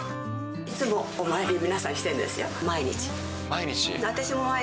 いつも、お参り皆さんしてる毎日？